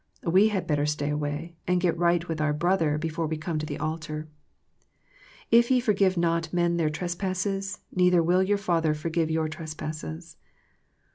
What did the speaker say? We had better stay away, and get right with our brother before we come to the altar. " If ye forgive not men their trespasses, neither will your Father forgive your trespasses."